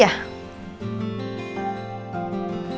udah improve kan